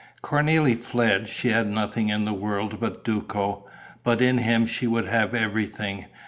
Cornélie fled: she had nothing in the world but Duco. But in him she would have everything.